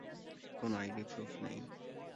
কোনো ID proof নেই।